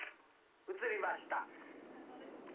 写りました。